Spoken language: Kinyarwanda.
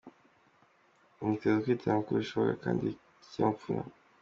Ihuriro – Amatsinda mato, Amatsinda manini, Imiryango, Inshuti, Amatsinda ahuje intego.